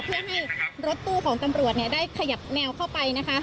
เพื่อให้รถตู้ของตำรวจได้ขยับแนวเข้าไปนะคะ